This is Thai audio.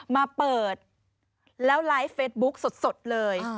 มาเปิดแล้วไลฟ์เฟสบุ๊กสดเลย